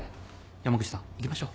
山口さん行きましょう。